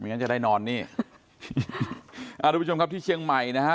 งั้นจะได้นอนนี่อ่าทุกผู้ชมครับที่เชียงใหม่นะฮะ